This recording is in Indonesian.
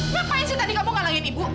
ngapain sih tadi kamu ngalahin ibu